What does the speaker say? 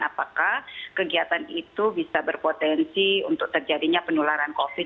apakah kegiatan itu bisa berpotensi untuk terjadinya penularan covid